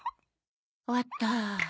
終わった。